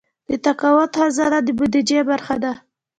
د تقاعد خزانه د بودیجې برخه ده